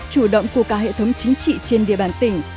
chủ động của cả hệ thống chính trị trên địa bàn tỉnh